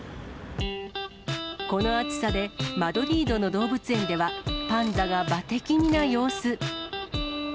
この暑さでマドリードの動物園では、パンダがばて気味な様子。